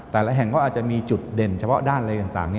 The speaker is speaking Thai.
แต่ละแห่งก็อาจจะมีจุดเด่นเฉพาะด้านอะไรต่าง